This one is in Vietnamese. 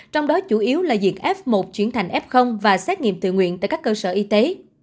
trong đó chủ yếu là việc f một chuyển thành f và xét nghiệm tự nguyện tại các cơ sở y tế